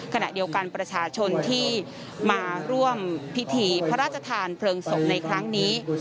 ขณะเดียวกันประชาชนที่มาร่วมพิธีพระราชทานเพลิงศพในครั้งนี้